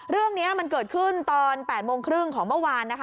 เรื่องนี้มันเกิดขึ้นตอน๘โมงครึ่งของเมื่อวานนะคะ